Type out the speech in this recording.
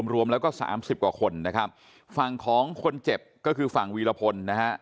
รวมแล้วก็สามสิบกว่าคนนะครับฝั่งของคนเจ็บก็คือฝั่งวีรพลนะฮะ